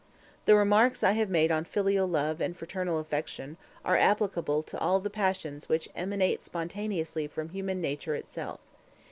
The remarks I have made on filial love and fraternal affection are applicable to all the passions which emanate spontaneously from human nature itself.